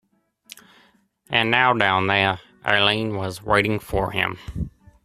And now, down there, Eileen was waiting for him.